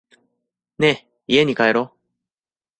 ねぇ、家に帰ろう。